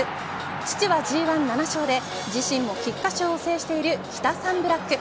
父はＧ１、７勝で自身も菊花賞を制しているキタサンブラック。